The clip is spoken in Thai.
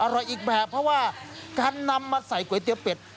อีกแบบเพราะว่าการนำมาใส่ก๋วยเตี๋ยเป็ด